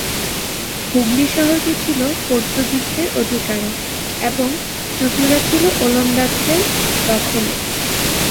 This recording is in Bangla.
হুগলী শহরটি ছিল পর্তুগিজদের অধিকারে এবং চুঁচুড়া ছিল ওলন্দাজদের দখলে।